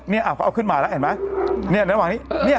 เอาขึ้นมาแล้วเห็นไหมเนี่ยนระหว่างนี้